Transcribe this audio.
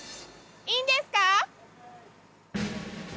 いいんですか？